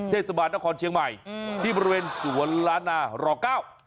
เทศบาทนครเชียงใหม่ที่ประเมินสวรรณาหรอกเก้า